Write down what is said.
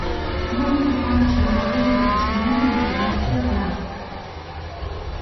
Многу ми помагаше да навлезам во суштините на македонскиот јазик.